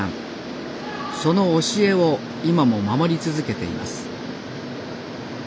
その教えを今も守り続けています